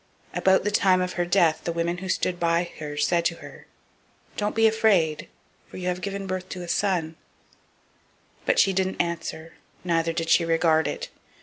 004:020 About the time of her death the women who stood by her said to her, Don't be afraid; for you have brought forth a son. But she didn't answer, neither did she regard it.